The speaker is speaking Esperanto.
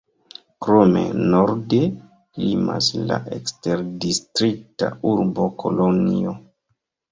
Krome norde limas la eksterdistrikta urbo Kolonjo.